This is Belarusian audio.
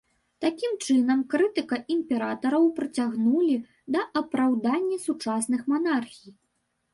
Такім чынам, крытыка імператараў прыцягнулі да апраўдання сучасных манархій.